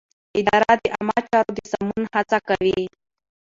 اداره د عامه چارو د سمون هڅه کوي.